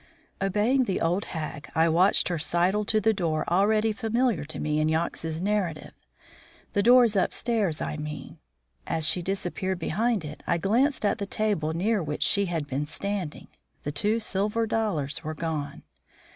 Obeying the old hag, I watched her sidle to the door already familiar to me in Yox's narrative; the door upstairs, I mean. As she disappeared behind it I glanced at the table near which she had been standing. The two silver dollars were gone.